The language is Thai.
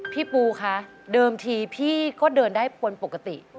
พี่ปูคะเดิมทีพี่ก็เดินได้คนปกติ